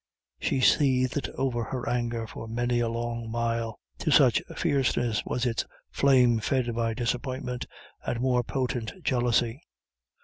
She seethed over her anger for many a long mile, to such fierceness was its flame fed by disappointment and more potent jealousy.